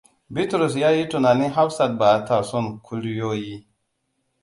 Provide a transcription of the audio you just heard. Bitrus ya yi tunanin Hafsat ba ta son kuliyoyi.